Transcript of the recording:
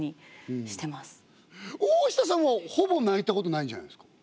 大下さんはほぼ泣いたことないんじゃないですか？